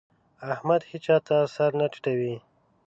احمد هيچا ته سر نه ټيټوي.